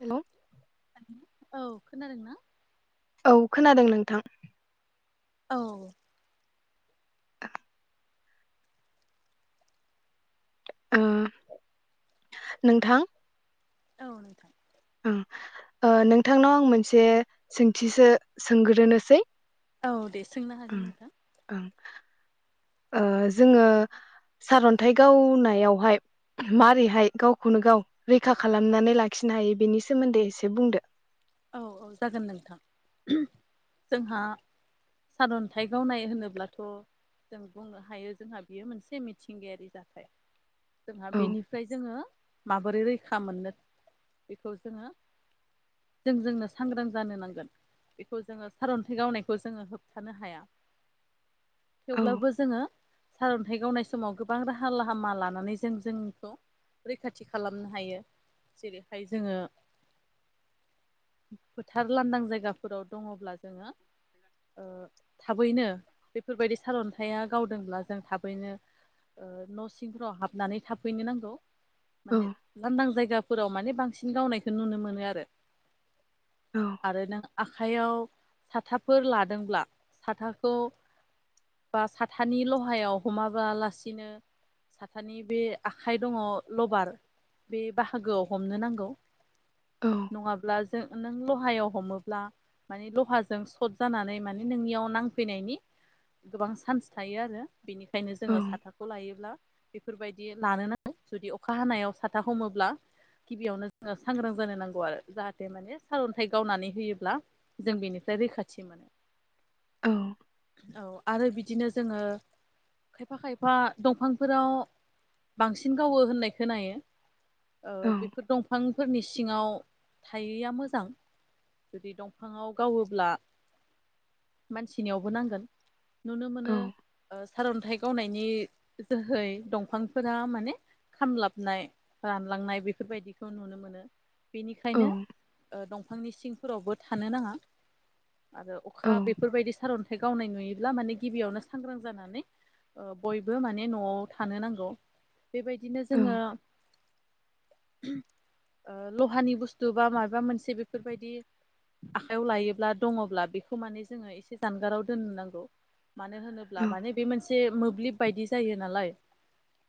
Hello औ खोनादों ना? औ खोनादों नोंथां। औ ओ नोंथां औ नोंथां। ओं ओ नोंथांनाव आं मोनसे सोंथिसो सोंग्रोनोसै औ दे। सोंनो हागोन ओं नोंथां। ओं ओ जोंङो सारन्थाइ गावनायावहाय मारैहाय गावखौनो गाव रैखा खालामनानै लाखिनो हायो बेनि सोमोन्दै एसे बुंदो। औ औ जागोन नोंथां जोंहा सारन्थाइ गावनाय होनोब्लाथ' जों बुंनो हायो जोंहा बियो मोनसे मिथिंगायारि जाथाय जोंहा औ बेनिफ्राय जोङो माबोरै रैखा मोननो बेखौ जोङो जों जोंनो सांग्रां जानो नांगोन बेखौ जोङो सारन्थाइ गावनायखौ जोङो होबथानो हाया औ थेवब्लाबो जोङो सारन्थाइ गावनाय समाव गोबां राहा लाहामा लानानै जों जोंखौ रैखाथि खालामनो हायो जेरैहाय जोङो फोथार लांदां जायगाफोराव दङब्ला जोङो ओ थाबैनो बेफोरबायदि सारन्थायाइया गावदोंब्ला जों थाबैनो ओ न' सिंफोराव हाबनानै थाबफैनो नांगौ। औ माने लांदां जायगा फोराव माने बांसिन गावनायखौ नुनो मोनो आरो औ आरो नों आखाइयाव साथाफोर लादोंब्ला साथाखौ बा साथानि लहायाव हमाबालासिनो साथानि बे आखाइ दङ लबार बे बाहागोआव हमनो नांगौ। औ नङाब्ला जों नों लहायाव हमोब्ला माने लहाजों सट जानानै मान नोंनियाव नांफैनायनि गोबां चान्स थायो आरो बेनिख खायनो औ जोङो साथाखौ लायोब्ला बेफोरबायदि लानो नाङा जुदि अखा हानायाव साथा हमोब्ला गिबियावनो जोङो सांग्रां जानो नांगौ आरो जाहाथे माने सारअन्थाइ गावनानै होयोब्ला जों बेनिफ्राय रैखाथि मोनो। औ। औ आरो बिदिनो जोङो खायफा खायफा दंफांफोराव बांसिन गावो होननाय खोनायो ओ औ बेफोर दंफांफोरनिस सिङाव थायैया मोजां जुदि दंफाङाव गावोब्ला मानसिनियावबो नांगोन। नुनो मोनो ओ सारअन्थाइ गावनायनि जोहै दंफांफोरा माने खामलाबनाय रानलांनाय बेफोरबायदिखौ नुनो मोनो बि खायनो ओ दं बिफांनि सिंफोरावबो थानो नाङा। आरो औ अखा बेफोरबायदि सारअन्थाइ गावनाय नुयोब लामानि गिबियावनो सांग्रां जानानै ओ बयबो माने न'आव थानो नांगौ। बेबायदिनो जोङो। ओ लहानि बुस्थ थुबा मायबा मोनसे बेफोरबायदि आखाइयाव लायोब्ला दङब्ला बेखौ माने जोङो एसे जानगाराव दोननो नांगौ। मानो होनोब्ला औ माने बे मोनसे से मोब्लिब बायदि जायो नालाय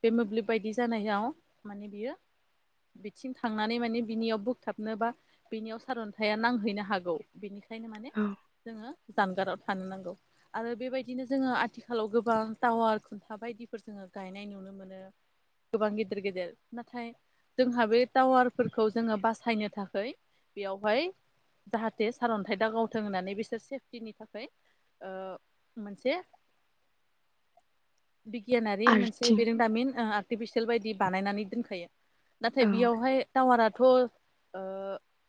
बे मोब्लिब बायदि जानायाव माने बियो बिथिं थांनानै माने बिनियाव बो थाबनोबा बेनियाव सारअन्थाइया नांहैनो हागौ बेनिख खायनो माने औ जोङो। जानगाराव थानो नांगौ आरो बेबायदिनो जोङो आथिखालाव गोबां टावार खुन्था बायदिफोर जोङो गायनाय नुनो मोनो गोबां गेदेर गेदेर नाथाय जोंहा बे टावारफोरखौ जोङो बास सायनो थाखै बियावहाय जाहाथे सारअन्थाइ दा गावथों होननानै बिसोर सेफटिनि थाखाय ओ मोनसे बिगियानारि मोनसे आर्थिं बिरोंदामिन ओ बि बिसियेल बायदि बानायनानै दोनखायो। नाथाय औ बियावहाय टावारा [inaudible] ओ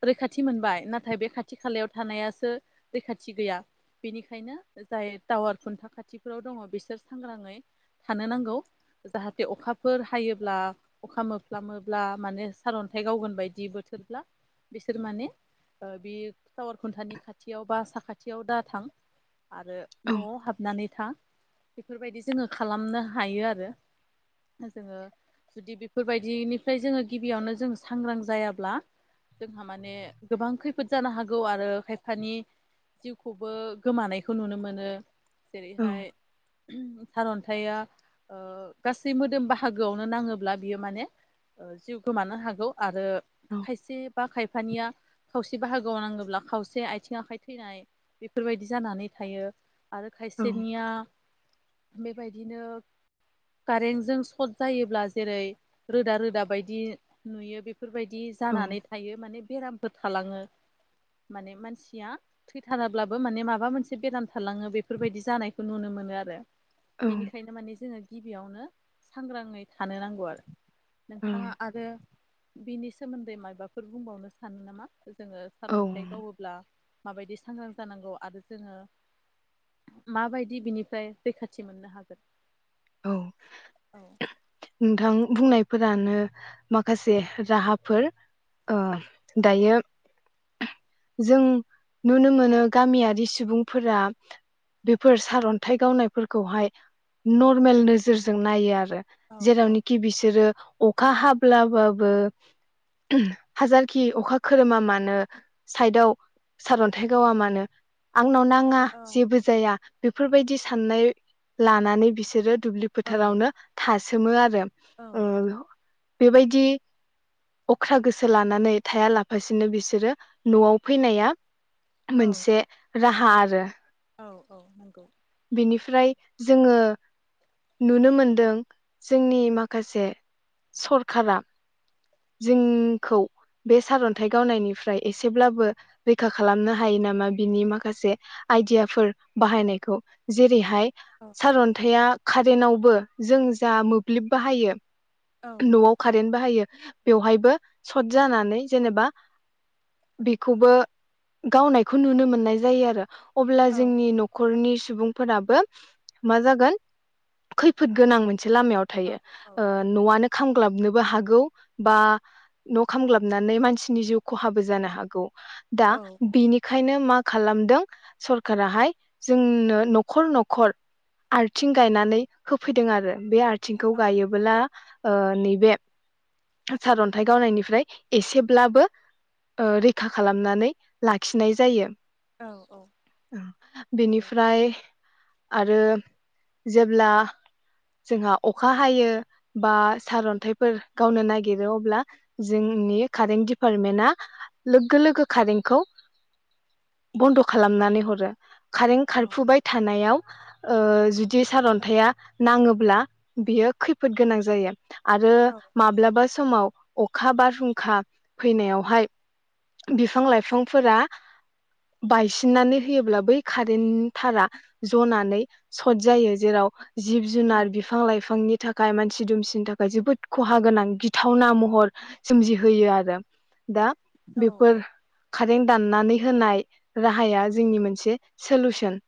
रैखाथि मोनबाय नाथाय बे खाथि खालायाव थानायासो रैखाथि गैया बेनिखायनो जाय टावार खुन्था खाथिफोराव दङ बिसोर सांग्राङै थानो नांगौ जाहाथे अखाफोर हायोब्ला अखा मोफ्लामोब्ला माने सारअन्थाइ गावगोन बायदि बो थोरब्ला बिसोर माने ओ बि टावार खुन्थानि खाथियाव बा साखाथियाव दा थां। आरो औ न'आव हाबनानै था बेफोरबायदि जोङो खालामनो हायो आरो जोङो जुदि बेफोरबायदिनिफ्राय जोङो गिबियावनो जों सांग्रां जायाब्ला जोंहा माने गोबां खैफोद जानो हागौ आरो खायफानि जिउखौबो गोमानायखौ नुनो मोनो। औ जेरैहाय सारअन्थाइया ओ गासै मोदोम बाहागोआवनो नाङोब्ला बियो माने ओ जिउ गोमानो हागौ आरो औ खायसे बा खाय फानिया खावसे बाहागोआव नांगोब्ला खावसे आथिं आखाय थैनाय बेफोरबायदि जानानै थायो। आरो औ खायसेनिया बेबायदिनो कारेन्टजों सर्ट जायोब्ला जेरै रोदा रोदा बायदि नुयो बेफोरबायदि जानानै थायो माने बेराम बो थालाङो माने मानसिया थैथाराब्लाबो माने माबा मोनसे बेराम थालाङो बेफोरबायदि जानायखौ नुनो मोनो आरो बेनिखायनो माने जोङो गि बियावनो सांग्राङै थानो नांगौ आरो नोंथाङा आरो बिनि सोमोन्दै मायबाफोर बुंबावनो सानो नामा? जोङो औ सारन्थाइ गावोब्ला माबायदि सांग्रां जानांगौ आरो जोङो माबायदि बिनिफ्राय रैखाथि मोननो हागोन औ औ औ नोंथां बुंनायफोरानो माखासे राहाफोर ओ दायो जों नुनो मोनो गामियारि सुबुंफोरा बेफोर सारन्थाइ गावनायफोरखौहाय नरमेल नोजोरजों नायो आरो औ औ जेरावनोखि बिसोरो अखा हा ब्लाबाबो हाजारखि अखा खोरोमा मानो साइदाव सारन्थाइ गावा मानो आ आंनाव नाङा जेबो जाया बेफोरबायदि साननाय लानानै बिसोरो दुब्लि औ फोथारावनो था सोमो आरो औ औ बेबायदि अख्रा गोसो लानानै थाया लाफासिनो बिसोरो न'आव फैनाया औ मोनसे राहा आरो औ औ नंगौ बिनिफ्राय जोङो नुनो मोनदों जोंनि माखासे सरखारा जोंखौ बे सारन्थाइ गावनायनिफ्राय एसेब्लाबो रैखा खालामनो हायो नामा बिनि माखासे आइडियाफोर बाहायनायखौ जेरैहा हाय सार'न्थाइआ कारेनावबो जों जा मोब्लिब बाहायो औ औ न'आव कारेन बाहायो बेवहायबो सर्ट जानानै जेनेबा बेखौबो गावनायखौ नुनो मोननाय जायो आरो अब्ला औ जोंनि न'खरनि सुबुंफोराबो मा जागोन खैफोद गोनां मोन मोनसे लामायाव औ थायो ओ न'आनो खामग्लाबनोबो हागौ बा न' खामग्लाबनानै मानसिनि जिउ खहाबो जानो हागौ दा औ बिनि खायनो मा खालामदों सरखाराहाय जोंनो न'खर न'खर आरथिं गायनानै होफैदों आरो बे आर थिंखौ औ गायोबोब्ला ओ नैबे सारन्थाइ गावनायनिफ्राय एसेब्लाबो ओ रैखा खालामनानै लाखिनाय जायो औ औ नंगौ बेनिफ्राय आरो जेब्ला जोंहा अखा हायो बा सारन्थाइफोर गावनो नागिरो अब्ला जोंनि कारें दिपार्टमेन्टआ लोगो लोगो कारेंखौ बन्द' खालामनानै हरो कारें औ खारफुबाय थानायाव ओ जुदि सारन्थाया नाङोब्ला बियो खैफोद गोनां जायो। आरो औ माब्लाबा समाव अखा, बारहुंखा फैनायावहाय बिफां-लाइफांफोरा बायसिननानै होयोब्ला बै कारेननि थारा जनानै सट जायो जेराव औ जिब-जुनार, बिफां-लाइफांनि थाखाय मानसि-दुमसिनि थाखाय जोबोद खहा, गोनां गिथावना महर सोमजिहोयो आरो। दा औ बेफोर कारें दाननानै होनाय राहाया जोंनि मोनसे सोलुसन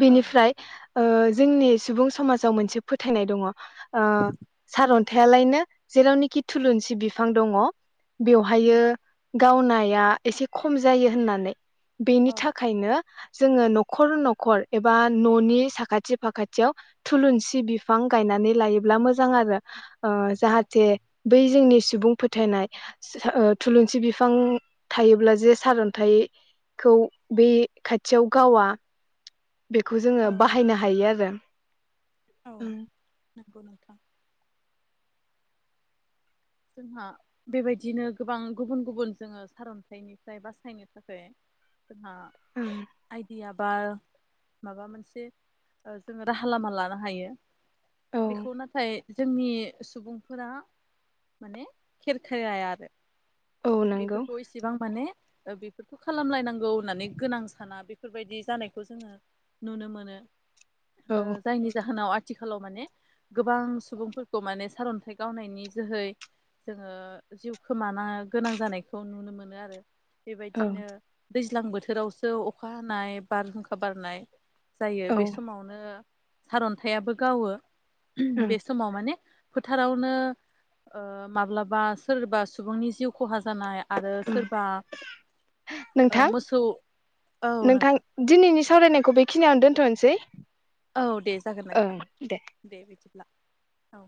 बेनिफ्राय ओ जोंनि सुबुं समाजाव मोनसे फोथायनाय दङ ओ सार अन थायालायनो जेरावनोखि थुलुनसि बिफां दङ बेवहायो गावनाया एसे खम जायो होननानै। बेनि औ थाखायनो जोङो न'खर नख खर एबा न'नि साखाथि फाखाथियाव थुलुनसि बिफां गायनानै लायोब्ला मोजां आरो। ओ औ जाहाथे बै जोंनि सुबुं फोथायनाय ओ थुलुनसि बिफां थायोब्ला जे सारन्थाइखौ बै खाथियाव गावा बेखौ जोङो औ बाहायनो हायो आरो। औ नोंगौ नोंथां। जोंहा बेबायदिनो गोबां गुबुन गुबुन जोंङो सारन्थाइनिफ्राय बासायनो थाखाय जोंहा आइदिया बा माबा मोनसे ओ जोंङो राहा लामा लानो हायो। औ बेखौ नाथाय जोंनि सुबुंफोरा माने खेरखेराया आरो। औ नंगौ बेफोरखौ इसेबां माने ओ बेफोरखौ खालामलायनांगौ होननानै गोनां साना बेफोरबायदि जानायखौ जोंङो नुनो मोनो। ओ औ जायनि जाहोनाव आ थिखालाव माने गोबां सुबुंफोरखौ माने सारन्थाइ गावनायनि जोहै जोंङो जिउ खोमानो गोनां जानायखौ नुनो मोनो आरो। औ बेबायदिनो दैज्लां बोथोरावसो अखा हानाय बारहुंखा बारनाय जायो औ बे समावनो सारन्थायाबो गावो। बे समाव माने फोथारावनो ओ माब्लाबा सोरबा सुबुंनि जिउ खहा जानाय आरो सोरबा नोंथां मोसौ औ नोंथां। सावरायनायखौ बेखिनियावनो दोनथ'नोसै। औ दे जागोन ओं नोंथां दे दे बिदि ब्ला औ